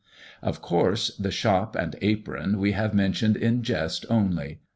Of course the shop and apron we have mentioned in jest only.